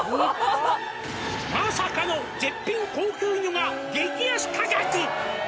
「まさかの絶品高級魚が激安価格！」